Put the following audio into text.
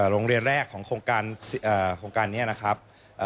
โรงเรียนแรกของโครงการนี้นะครับ